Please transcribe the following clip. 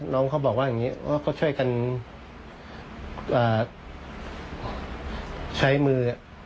น้องเขาบอกว่าอย่างนี้ก็ช่วยกันใช้มือ